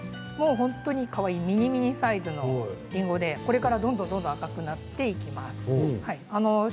非常にかわいいミニミニサイズのりんごでこれからどんどん赤くなってきますし